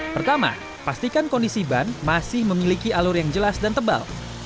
pertama pastikan kondisi ban masih memiliki alur yang jelas dan tebal